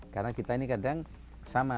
karena kita ini kadang sama